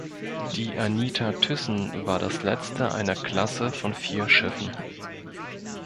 Die "Anita Thyssen" war das Letzte einer Klasse von vier Schiffen.